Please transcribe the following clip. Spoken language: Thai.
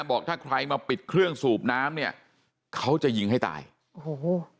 บอกถ้าใครมาปิดเครื่องสูบน้ำเนี่ยเขาจะยิงให้ตายโอ้โห